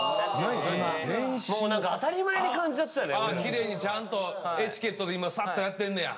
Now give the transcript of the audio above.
きれいにちゃんとエチケットで今さっとやってんのや。